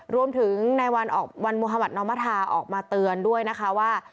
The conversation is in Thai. รวมถึงในวันออกวันมุธมัธนอมธาออกมาเตือนด้วยนะคะว่า